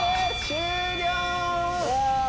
終了！